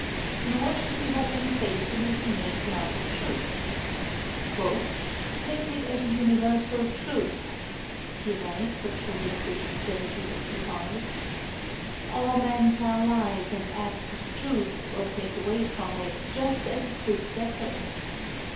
Nor should we have any faith in an innate love of truth. "Take it as an universal truth," he writes (October 6, 1785), "all men tell lies, and add to the truth, or take away from it, just as it suits their purpose.